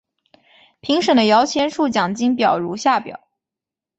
评审的摇钱树奖金表如下表。